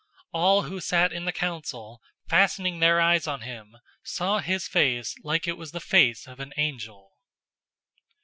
006:015 All who sat in the council, fastening their eyes on him, saw his face like it was the face of an angel.